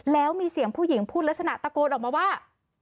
แล้วมีเสียงผู้หญิงพูดลักษณะตะโกนออกมาว่า